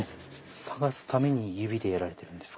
探すために指でやられてるんですか？